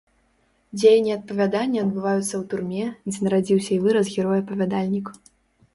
Дзеянне апавядання адбываецца ў турме, дзе нарадзіўся і вырас герой-апавядальнік.